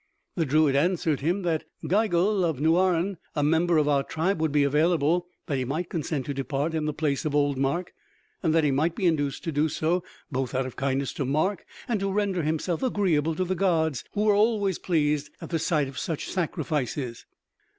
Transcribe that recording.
The druid answered him that Gigel of Nouaren, a member of our tribe, would be available, that he might consent to depart in the place of old Mark, and that he might be induced to do so both out of kindness to Mark and to render himself agreeable to the gods, who are always pleased at the sight of such sacrifices.